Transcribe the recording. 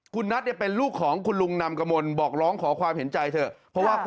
คุณนัทเป็นลูกของคุณลุงนำกระมวลบอกร้องขอความเห็นใจเถอะ